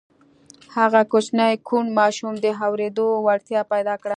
هغه کوچني کوڼ ماشوم د اورېدو وړتیا پیدا کړه